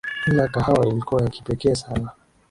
Ila kahawa ilikuwa ya kipekee sana.